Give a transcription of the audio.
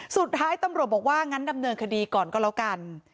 สุดท้ายตำรวจบอกว่างั้นดำเนินคดีก่อนก็แล้วกัน